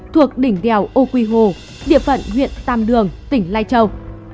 thuộc đỉnh đèo âu quy hồ địa phận huyện tam đường tỉnh lai châu